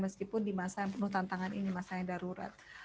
meskipun di masa yang penuh tantangan ini masa yang darurat